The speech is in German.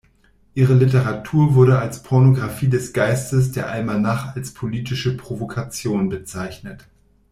Ihre Literatur wurde als "Pornographie des Geistes", der Almanach als politische Provokation bezeichnet.